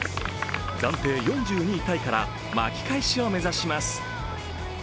暫定４２位タイから巻き返しを目指します。